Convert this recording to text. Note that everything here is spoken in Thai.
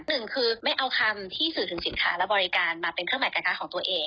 หนึ่งคือไม่เอาคำที่สื่อถึงสินค้าและบริการมาเป็นเครื่องหมายการค้าของตัวเอง